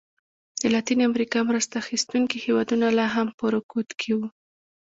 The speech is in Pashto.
د لاتینې امریکا مرسته اخیستونکي هېوادونه لا هم په رکود کې وو.